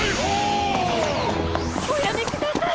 おやめください！